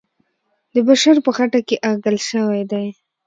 د بشر په خټه کې اغږل سوی دی.